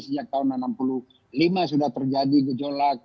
sejak tahun seribu sembilan ratus enam puluh lima sudah terjadi gejolak